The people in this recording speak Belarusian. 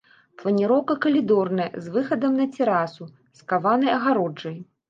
Планіроўка калідорная з выхадам на тэрасу з каванай агароджай.